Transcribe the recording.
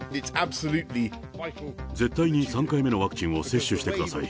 絶対に３回目のワクチンを接種してください。